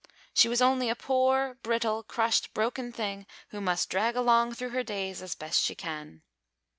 She was only a poor brittle, crushed, broken thing, who must drag along through her days as best she can."